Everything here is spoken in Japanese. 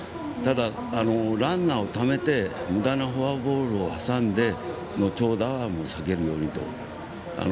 ただ、ランナーをためてむだなフォアボールを挟んでの長打は避けるようにと。